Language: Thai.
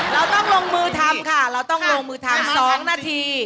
เราต้องลงมือทำค่ะเราต้องลงมือทำ๒นาที